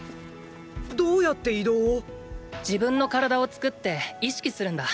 どうやって移動を⁉自分の体を作って意識するんだ。